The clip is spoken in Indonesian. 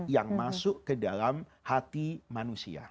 yang masuk ke dalam hati manusia